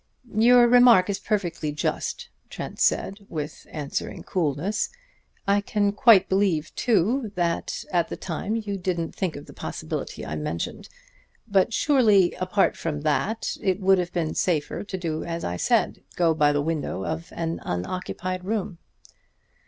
"Your remark is perfectly just," Trent said with answering coolness. "I can quite believe, too, that at the time you didn't think of the possibility I mentioned. But surely, apart from that, it would have been safer to do as I said: go by the window of an unoccupied room."